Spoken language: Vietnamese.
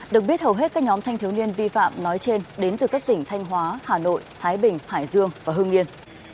được biết hầu hết các nhóm thanh thiếu niên vi phạm nói trên đến từ các tỉnh thanh hóa hà nội thái bình hải dương và hương yên